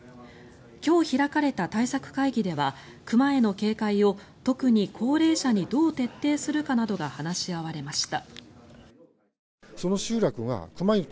今日開かれた対策会議では熊への警戒を特に高齢者にどう徹底するかなどが話し合われました。